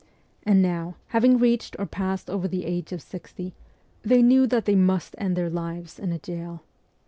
And now, having reached or passed over the age of sixty, they knew that they must end their lives in a gaol.